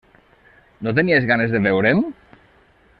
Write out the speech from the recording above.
No tenies ganes de veure'm?